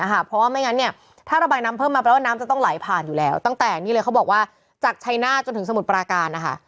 เพราะว่าไม่งั้นถ้าระบายน้ำเพิ่มมาแปลว่าน้ำจะต้องไหลผ่านอยู่แล้วตั้งแต่นี่เลยเขาบอกว่าจากชัยหน้าจนถึงสมุทรปราการนะคะ